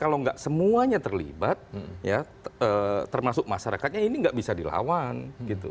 kalau nggak semuanya terlibat ya termasuk masyarakatnya ini nggak bisa dilawan gitu